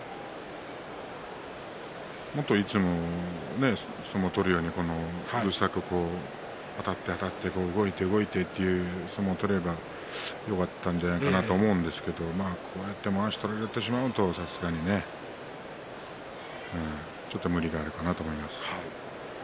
もっといつも相撲を取るようにあたってあたって動いて動いてという相撲を取ればよかったんじゃないかなと思うんですけれどこうやってまわしを取られてしまうとさすがにちょっと無理があるかなと思います。